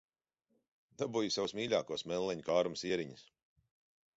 Dabūju savus mīļākos melleņu kāruma sieriņus.